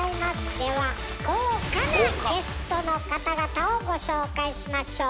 では豪華なゲストの方々をご紹介しましょう。